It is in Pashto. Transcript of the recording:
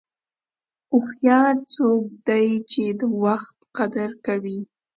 هوښیار څوک دی چې د وخت قدر کوي.